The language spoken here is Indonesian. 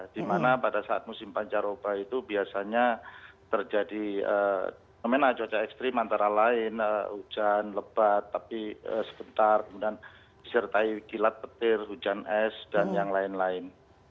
di mana pada saat musim pancaroba itu biasanya terjadi pemena cuaca ekstrim antara lain hujan lebat tapi sebentar kemudian disertai kilat petir hujan es dan yang lain lain